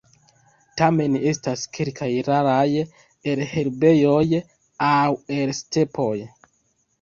Tamen estas kelkaj raraj el herbejoj aŭ el stepoj.